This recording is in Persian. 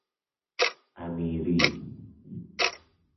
امیری